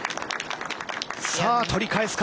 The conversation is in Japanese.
さあ、取り返すか。